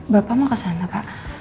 bapak mau ke sana pak